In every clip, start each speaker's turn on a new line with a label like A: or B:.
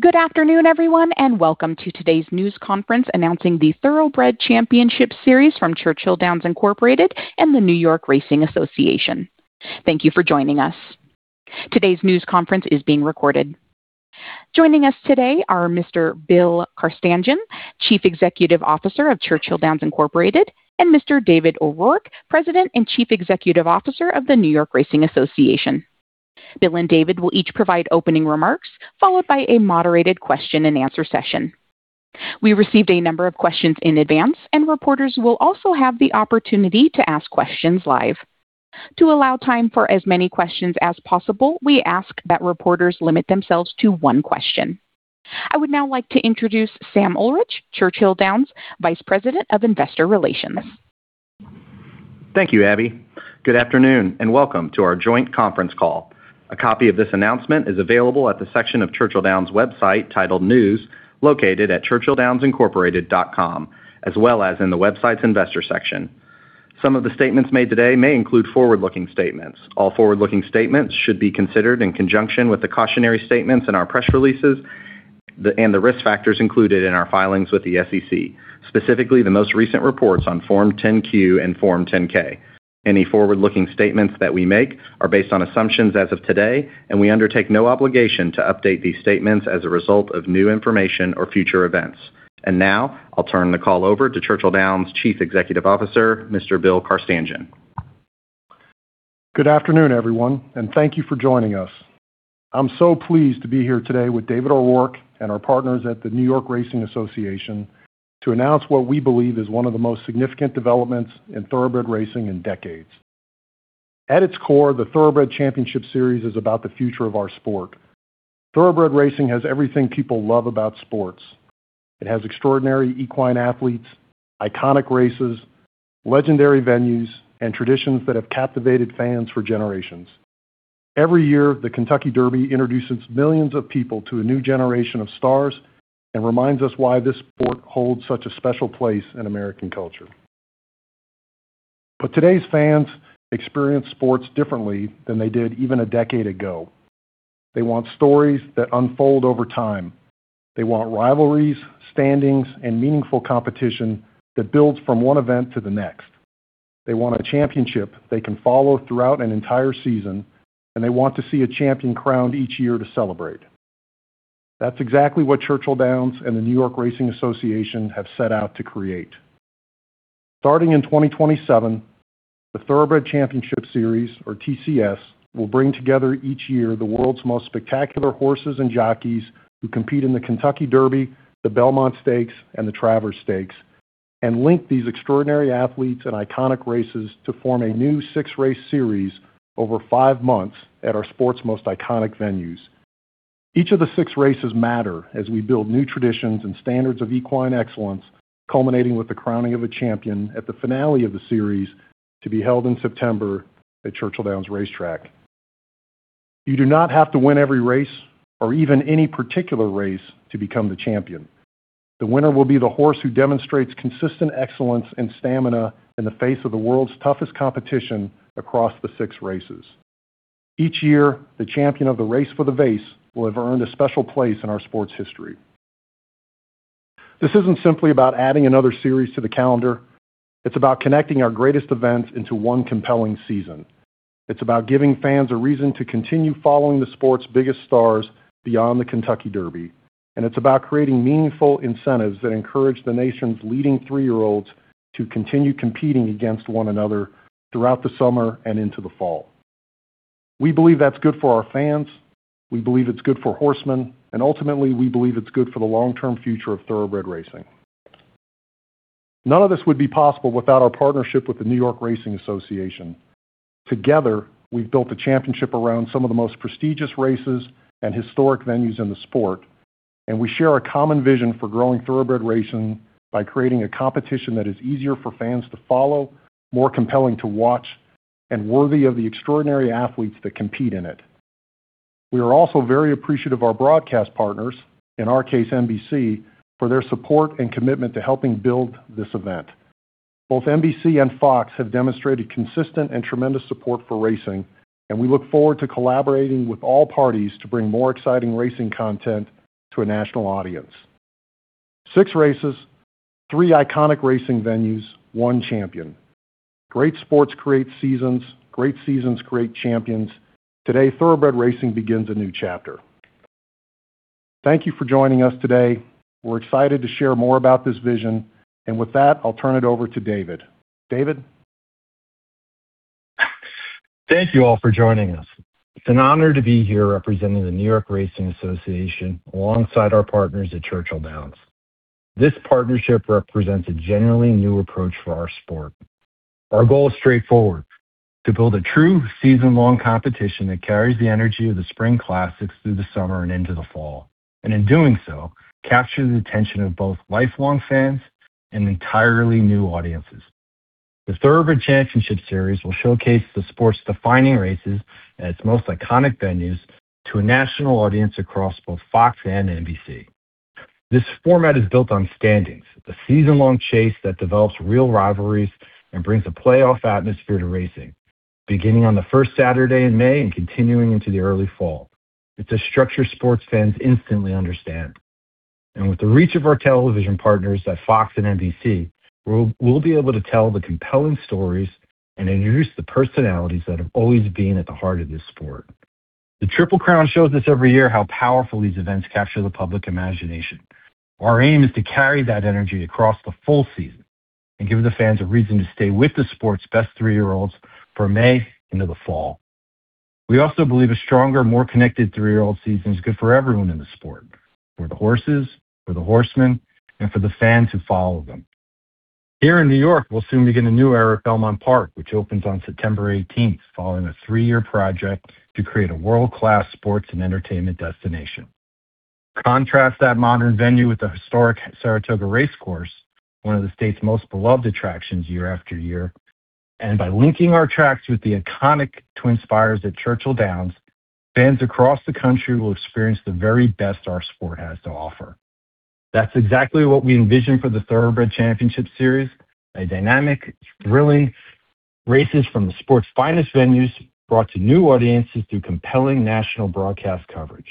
A: Good afternoon, everyone, and welcome to today's news conference announcing the Thoroughbred Championship Series from Churchill Downs Incorporated and the New York Racing Association. Thank you for joining us. Today's news conference is being recorded. Joining us today are Mr. Bill Carstanjen, Chief Executive Officer of Churchill Downs Incorporated, and Mr. David O'Rourke, President and Chief Executive Officer of the New York Racing Association. Bill and David will each provide opening remarks, followed by a moderated question and answer session. Reporters will also have the opportunity to ask questions live. To allow time for as many questions as possible, we ask that reporters limit themselves to one question. I would now like to introduce Sam Ullrich, Churchill Downs Vice President of Investor Relations.
B: Thank you, Abby. Good afternoon, and welcome to our joint conference call. A copy of this announcement is available at the section of Churchill Downs' website titled News, located at churchilldownsincorporated.com, as well as in the website's investor section. Some of the statements made today may include forward-looking statements. All forward-looking statements should be considered in conjunction with the cautionary statements in our press releases and the risk factors included in our filings with the SEC, specifically the most recent reports on Form 10-Q and Form 10-K. We undertake no obligation to update these statements as a result of new information or future events. Now I'll turn the call over to Churchill Downs' Chief Executive Officer, Mr. Bill Carstanjen.
C: Good afternoon, everyone, and thank you for joining us. I'm so pleased to be here today with David O'Rourke and our partners at the New York Racing Association to announce what we believe is one of the most significant developments in Thoroughbred racing in decades. At its core, the Thoroughbred Championship Series is about the future of our sport. Thoroughbred racing has everything people love about sports. It has extraordinary equine athletes, iconic races, legendary venues, and traditions that have captivated fans for generations. Every year, the Kentucky Derby introduces millions of people to a new generation of stars and reminds us why this sport holds such a special place in American culture. Today's fans experience sports differently than they did even a decade ago. They want stories that unfold over time. They want rivalries, standings, and meaningful competition that builds from one event to the next. They want a championship they can follow throughout an entire season. They want to see a champion crowned each year to celebrate. That's exactly what Churchill Downs and the New York Racing Association have set out to create. Starting in 2027, the Thoroughbred Championship Series, or TCS, will bring together each year the world's most spectacular horses and jockeys who compete in the Kentucky Derby, the Belmont Stakes, and the Travers Stakes, and link these extraordinary athletes and iconic races to form a new six-race series over five months at our sport's most iconic venues. Each of the six races matter as we build new traditions and standards of equine excellence, culminating with the crowning of a champion at the finale of the series to be held in September at Churchill Downs Racetrack. You do not have to win every race or even any particular race to become the champion. The winner will be the horse who demonstrates consistent excellence and stamina in the face of the world's toughest competition across the six races. Each year, the champion of the Race for the Vase will have earned a special place in our sport's history. This isn't simply about adding another series to the calendar. It's about connecting our greatest events into one compelling season. It's about giving fans a reason to continue following the sport's biggest stars beyond the Kentucky Derby, and it's about creating meaningful incentives that encourage the nation's leading three-year-olds to continue competing against one another throughout the summer and into the fall. We believe that's good for our fans, we believe it's good for horsemen, and ultimately, we believe it's good for the long-term future of Thoroughbred racing. None of this would be possible without our partnership with the New York Racing Association. Together, we've built a championship around some of the most prestigious races and historic venues in the sport, and we share a common vision for growing Thoroughbred racing by creating a competition that is easier for fans to follow, more compelling to watch, and worthy of the extraordinary athletes that compete in it. We are also very appreciative of our broadcast partners, in our case, NBC, for their support and commitment to helping build this event. Both NBC and FOX have demonstrated consistent and tremendous support for racing, and we look forward to collaborating with all parties to bring more exciting racing content to a national audience. Six races, three iconic racing venues, one champion. Great sports create seasons, great seasons create champions. Today, Thoroughbred racing begins a new chapter. Thank you for joining us today. We're excited to share more about this vision. With that, I'll turn it over to David. David?
D: Thank you all for joining us. It's an honor to be here representing the New York Racing Association alongside our partners at Churchill Downs. This partnership represents a genuinely new approach for our sport. Our goal is straightforward: To build a true season-long competition that carries the energy of the spring classics through the summer and into the fall, and in doing so, capture the attention of both lifelong fans and entirely new audiences. The Thoroughbred Championship Series will showcase the sport's defining races at its most iconic venues to a national audience across both FOX and NBC. This format is built on standings, the season-long chase that develops real rivalries and brings a playoff atmosphere to racing. Beginning on the first Saturday in May and continuing into the early fall. It's a structure sports fans instantly understand. With the reach of our television partners at FOX and NBC, we'll be able to tell the compelling stories and introduce the personalities that have always been at the heart of this sport. The Triple Crown shows us every year how powerful these events capture the public imagination. Our aim is to carry that energy across the full season and give the fans a reason to stay with the sport's best three-year-olds from May into the fall. We also believe a stronger, more connected three-year-old season is good for everyone in the sport, for the horses, for the horsemen, and for the fans who follow them. Here in New York, we'll soon begin a new era at Belmont Park, which opens on September 18th, following a three-year project to create a world-class sports and entertainment destination. Contrast that modern venue with the historic Saratoga Race Course, one of the state's most beloved attractions year after year. By linking our tracks with the iconic TwinSpires at Churchill Downs, fans across the country will experience the very best our sport has to offer. That's exactly what we envision for the Thoroughbred Championship Series, a dynamic, thrilling races from the sport's finest venues brought to new audiences through compelling national broadcast coverage,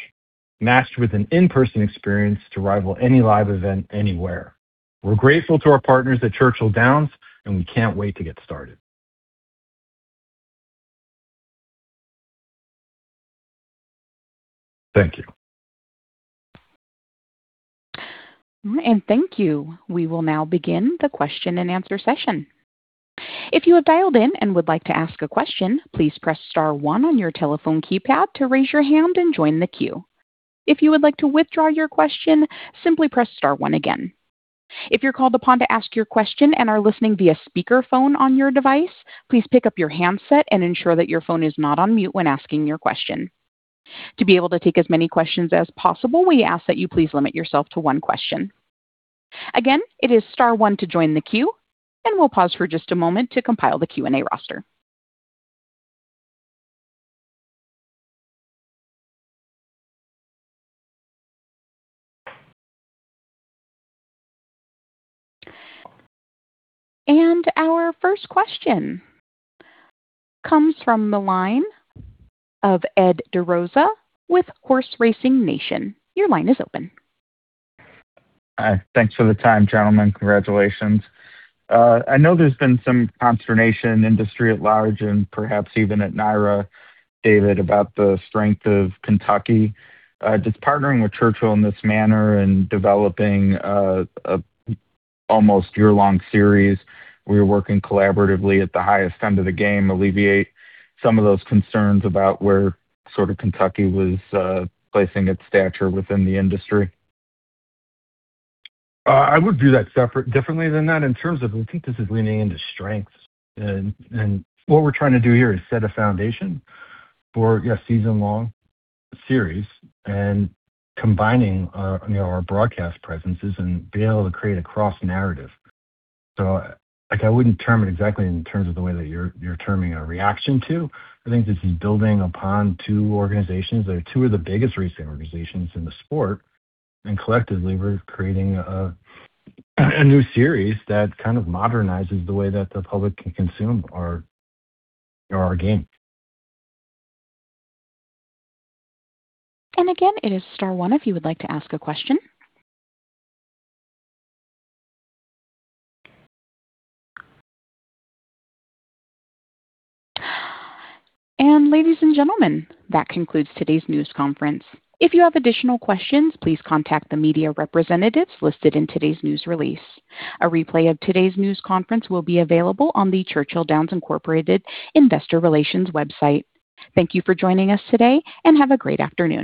D: matched with an in-person experience to rival any live event anywhere. We're grateful to our partners at Churchill Downs, and we can't wait to get started. Thank you.
A: Thank you. We will now begin the question and answer session. If you have dialed in and would like to ask a question, please press star one on your telephone keypad to raise your hand and join the queue. If you would like to withdraw your question, simply press star one again. If you're called upon to ask your question and are listening via speakerphone on your device, please pick up your handset and ensure that your phone is not on mute when asking your question. To be able to take as many questions as possible, we ask that you please limit yourself to one question. Again, it is star one to join the queue, and we'll pause for just a moment to compile the Q&A roster. Our first question comes from the line of Ed DeRosa with Horse Racing Nation. Your line is open.
E: Thanks for the time, gentlemen. Congratulations. I know there's been some consternation, industry at large, and perhaps even at NYRA, David, about the strength of Kentucky. Does partnering with Churchill in this manner and developing an almost year-long series, we're working collaboratively at the highest end of the game, alleviate some of those concerns about where Kentucky was placing its stature within the industry?
D: I would view that differently than that in terms of I think this is leaning into strengths. What we're trying to do here is set a foundation for a season-long series and combining our broadcast presences and be able to create a cross narrative. I wouldn't term it exactly in terms of the way that you're terming a reaction to. I think this is building upon two organizations that are two of the biggest racing organizations in the sport, and collectively, we're creating a new series that kind of modernizes the way that the public can consume our game.
A: Again, it is star one if you would like to ask a question. Ladies and gentlemen, that concludes today's news conference. If you have additional questions, please contact the media representatives listed in today's news release. A replay of today's news conference will be available on the Churchill Downs Incorporated Investor Relations website. Thank you for joining us today, and have a great afternoon